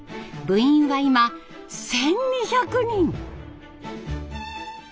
部員は今１，２００人！